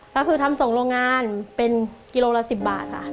ก็คือทำส่งโรงงานเป็นกิโลละ๑๐บาทค่ะ